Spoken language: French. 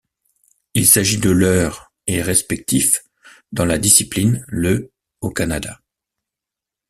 Il s'agit de leur et respectif dans la discipline, le au Canada.